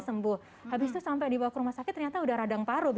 sudah terkena radang paru